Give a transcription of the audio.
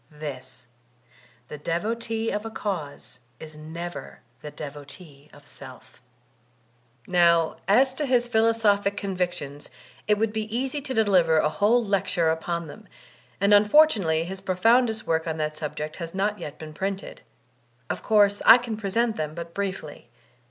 This: the devotee of a cause is never the devotee of self. Now as to his philosophic convictions, it would be easy to deliver a whole lecture upon them; and unfor* tunately his profoundest work on that subject has not yet been printed. Of course, I can present them but briefly.